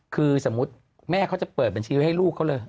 คือสมมุติแม่เขาจะเปิดบัญชีไว้ให้ลูกเขาเลย